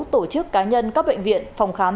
tổ chức cá nhân các bệnh viện phòng khám